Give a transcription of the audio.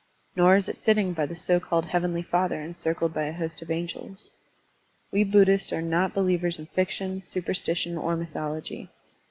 Nor is it sitting by the so called Heav enly Father encircled by a host of angels. We Buddhists are not believers in fiction, supersti tion, or mythology.